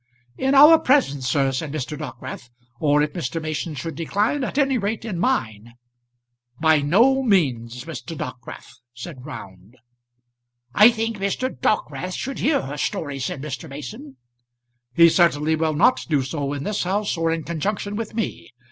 "In our presence, sir," said Mr. Dockwrath; "or if Mr. Mason should decline, at any rate in mine." "By no means, Mr. Dockwrath," said Round. "I think Mr. Dockwrath should hear her story," said Mr. Mason. "He certainly will not do so in this house or in conjunction with me.